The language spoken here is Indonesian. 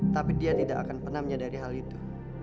tapi dia tidak akan pernah menyadari hal itu